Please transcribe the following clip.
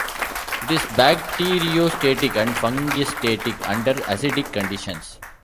It is bacteriostatic and fungistatic under acidic conditions.